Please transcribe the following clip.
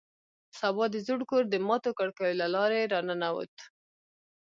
سبا د زوړ کور د ماتو کړکیو له لارې راننوت